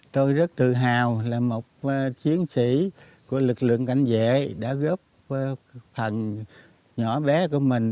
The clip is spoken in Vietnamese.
tôi rất tự hào là một chiến sĩ của lực lượng cảnh vệ đã góp phần nhỏ bé của mình